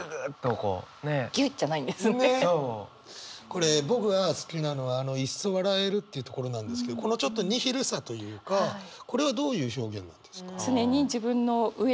これ僕が好きなのは「いっそ笑える」ってところなんですけどこのちょっとニヒルさというかこれはどういう表現なんですか？